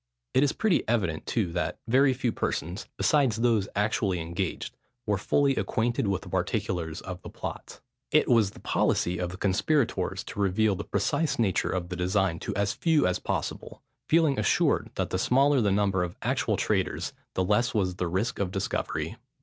It is pretty evident, too, that very few persons, besides those actually engaged, were fully acquainted with the particulars of the plot. It was the policy of the conspirators to reveal the precise nature of the design to as few as possible, feeling assured that the smaller the number of actual traitors the less was the risk of discovery.